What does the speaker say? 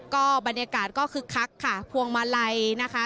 ก็บรรยากาศก็คึกคักค่ะพวงมาลัยนะคะ